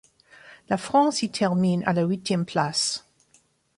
La France y termine à la huitième place.